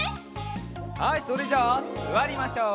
はいそれじゃあすわりましょう。